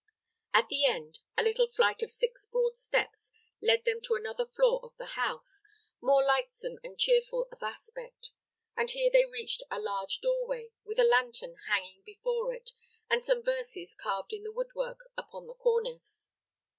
At the end, a little flight of six broad steps led them to another floor of the house, more lightsome and cheerful of aspect, and here they reached a large doorway, with a lantern hanging before it and some verses carved in the wood work upon the cornice.